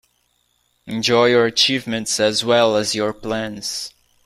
Enjoy your achievements as well as your plans.